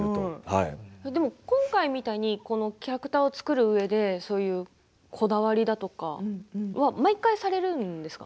今回みたいにキャラクターを作るうえで、こだわりだとかは毎回、されるんですか？